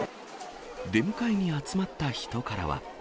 出迎えに集まった人からは。